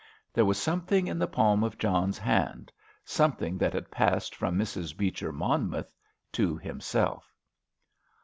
There was something in the palm of John's hand—something that had passed from Mrs. Beecher Monmouth to himself.